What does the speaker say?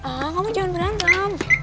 ah kamu jangan berantem